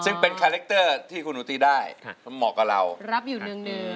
ซึ่งเป็นคาแรคเตอร์ที่คุณหนูตีได้เหมาะกับเรารับอยู่หนึ่งหนึ่ง